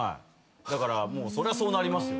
だからそりゃそうなりますよね。